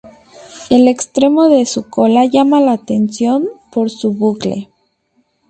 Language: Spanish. El extremo de su cola llama la atención por su bucle.